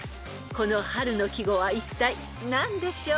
［この春の季語はいったい何でしょう］